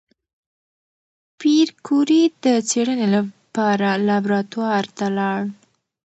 پېیر کوري د څېړنې لپاره لابراتوار ته لاړ.